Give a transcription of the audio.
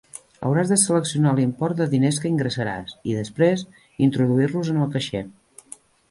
Hauràs de seleccionar l'import de diners que ingressaràs i, després, introduir-los en el caixer.